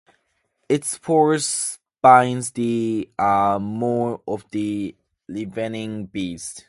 Its force binds the maw of the ravening beast.